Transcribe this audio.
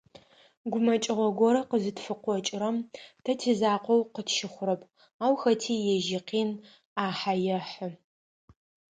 Гумэкӏыгъо горэ къызытфыкъокӏырэм, тэ тизакъоу къытщыхъурэп, ау хэти ежь икъин ӏахь ехьы.